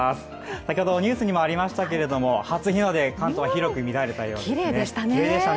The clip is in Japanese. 先ほどニュースにもありましたけれども、初日の出、関東は広く見られたようですね。